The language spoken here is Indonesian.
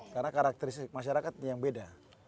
karena karakteristik masyarakatnya yang beda